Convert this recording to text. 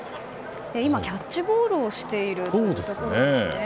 今、キャッチボールをしているところですね。